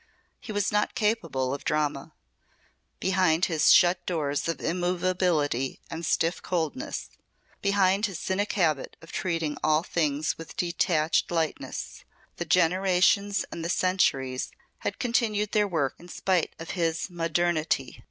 He was not capable of drama. Behind his shut doors of immovability and stiff coldness, behind his cynic habit of treating all things with detached lightness, the generations and the centuries had continued their work in spite of his modernity.